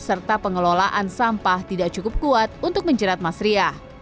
serta pengelolaan sampah tidak cukup kuat untuk menjerat mas riah